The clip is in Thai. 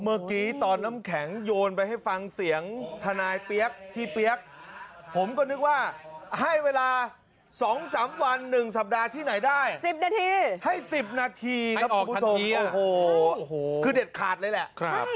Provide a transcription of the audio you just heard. เมื่อกี้ตอนน้ำแข็งโยนไปให้ฟังเสียงทนายเปี๊ยกพี่เปี๊ยกผมก็นึกว่าให้เวลา๒๓วัน๑สัปดาห์ที่ไหนได้๑๐นาทีให้๑๐นาทีครับคุณผู้ชมโอ้โหคือเด็ดขาดเลยแหละ